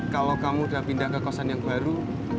kalau kamu sudah pindah ke kosan yang baru